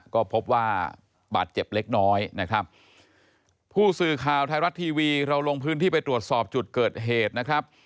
ก็พบว่าบาดเจ็บเล็กน้อยนะครับผู้สื่อข่าวไทยรัฐทีวีเราลงพื้นที่ไปตรวจสอบจุดเกิดเหตุนะครับ